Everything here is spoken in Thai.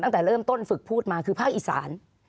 ตั้งแต่เริ่มต้นฝึกพูดมาคือภาคอีสาน